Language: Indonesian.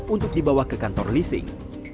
untuk dibawa ke kantor leasing